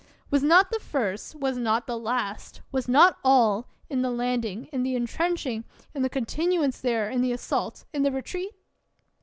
Was not the first, was not the last, was not all, in the landing, in the intrenching, in the continuance there, in the assault, in the retreat?